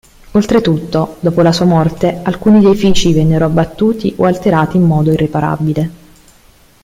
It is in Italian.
Oltretutto, dopo la sua morte alcuni edifici vennero abbattuti o alterati in modo irreparabile.